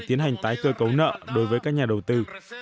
tiến hành tái cơ cấu nợ đối với các nhà đầu tư